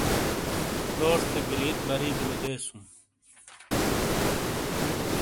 لوشٹے گلیت بری بلو دیز ہوں ۔